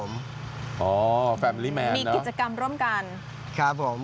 มีกิจกรรมร่วมกัน